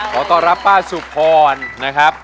ขอต้อนรับป้าสุพรนะครับ